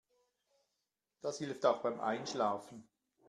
Das hilft auch beim Einschlafen.